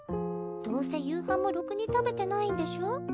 どうせ夕飯もろくに食べてないんでしょ。